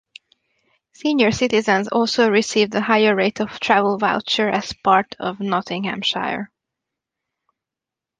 Senior citizens also received a higher rate of travel voucher as part of Nottinghamshire.